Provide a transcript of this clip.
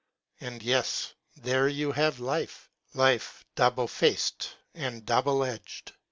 Ah, yes, there you have life—life double faced and double edged.